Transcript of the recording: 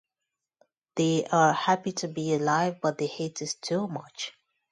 They are happy to be alive, but the heat is too much.